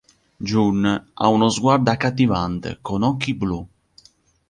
Jun ha uno sguardo accattivante, con occhi blu.